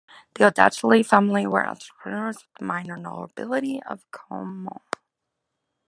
The Odescalchi family were entrepreneurs with the minor nobility of Como.